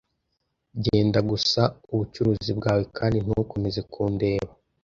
Genda gusa ubucuruzi bwawe kandi ntukomeze kundeba.